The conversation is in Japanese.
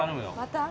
また？